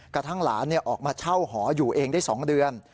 กระทั่งหลานออกมาเช่าหออยู่เองได้๒เดือน